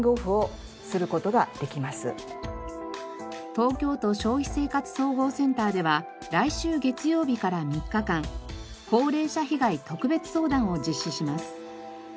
東京都消費生活総合センターでは来週月曜日から３日間高齢者被害特別相談を実施します。